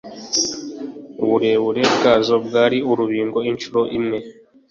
uburebure bwazo bwari urubingo incuro imwe